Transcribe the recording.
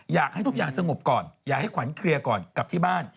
อยากให้ทุกอย่างสงบก่อนอยากให้ขวัญเคลียร์ก่อนกลับที่บ้าน